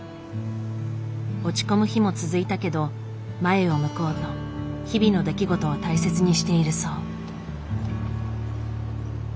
落ち込む日も続いたけど前を向こうと日々の出来事を大切にしているそう。